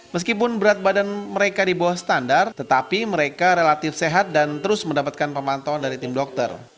meskipun berat badan mereka di bawah standar tetapi mereka relatif sehat dan terus mendapatkan pemantauan dari tim dokter